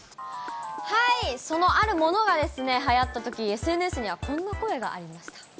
はい、そのあるものがはやったとき、ＳＮＳにはこんな声がありました。